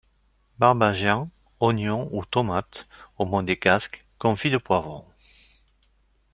Barbagians, oignons ou tomates au monégasque, confit de poivrons.